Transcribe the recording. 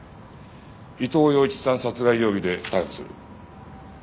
伊藤洋市さん殺害容疑で逮捕する。